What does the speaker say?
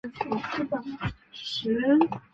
再不走就来不及了